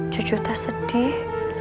cucu teh sedih